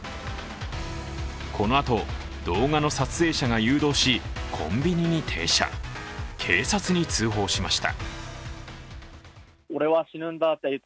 このあと動画の撮影者が誘導し、コンビニに停車、警察に通報しました。